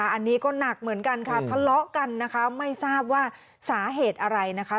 อันนี้ก็หนักเหมือนกันค่ะทะเลาะกันนะคะไม่ทราบว่าสาเหตุอะไรนะคะ